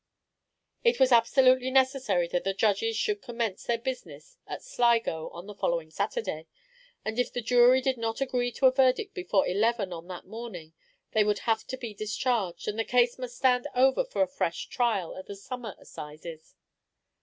It was absolutely necessary that the judges should commence their business at Sligo on the following Saturday, and if the jury did not agree to a verdict before eleven on that morning, they would have to be discharged, and the case must stand over for a fresh trial at the summer assizes.